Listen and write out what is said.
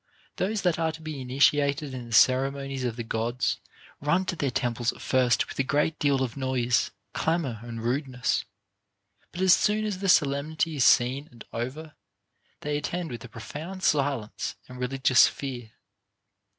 Those that are to be initiated in the ceremonies of the Gods run to their temples at first with a great deal of noise, clamor, and rudeness ; but as soon as the solemnity * Odyss. XVI. 187. 464 OF MAN'S PROGRESS IN VIRTUE. is seen and over, they attend with a profound silence and religious fear.